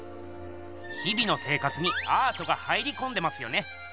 日々の生活にアートが入りこんでますよね。